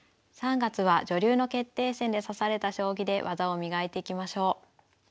３月は女流の決定戦で指された将棋で技を磨いていきましょう。